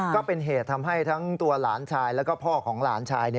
ก็เป็นเหตุทำให้ทั้งตัวหลานชายแล้วก็พ่อของหลานชาย